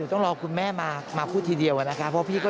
คือแม้ว่าจะมีการเลื่อนงานชาวพนักกิจแต่พิธีไว้อาลัยยังมีครบ๓วันเหมือนเดิม